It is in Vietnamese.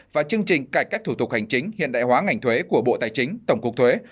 và chương trình cải cách thủ tục hành chính hiện đại hóa ngành thuế của bộ tài chính tổng cục thuế